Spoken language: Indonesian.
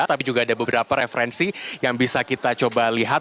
tapi juga ada beberapa referensi yang bisa kita coba lihat